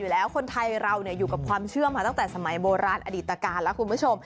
เลิฟ